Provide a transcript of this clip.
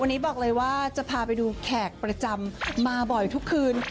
วันนี้บอกเลยว่าจะพาไปดูแขกประจำมาบ่อยทุกคืน